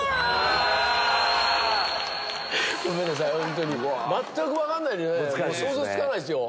ごめんなさい全く分かんない想像つかないですよ。